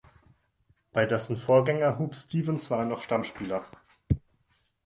Bei dessen Vorgänger Huub Stevens war er noch Stammspieler.